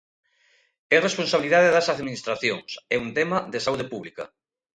É responsabilidade das administracións, é un tema de saúde pública.